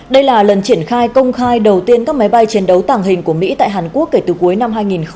đây là lần triển khai công khai đầu tiên các máy bay chiến đấu tàng hình của mỹ tại hàn quốc kể từ cuối năm hai nghìn một mươi chín